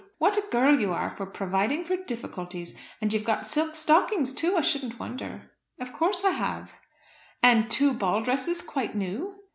What a girl you are for providing for difficulties! And you've got silk stockings too, I shouldn't wonder." "Of course I have." "And two ball dresses, quite new?"